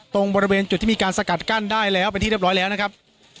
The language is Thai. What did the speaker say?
ตรงบริเวณจุดที่มีการสกัดกั้นได้แล้วเป็นที่เรียบร้อยแล้วนะครับ